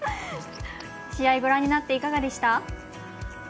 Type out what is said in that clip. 試合ご覧になっていかがでした？